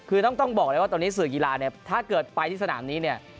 คือต้องบอกเลยว่าตอนนี้สื่อกีฬาเนี่ยถ้าเกิดไปที่สนามนี้เนี่ย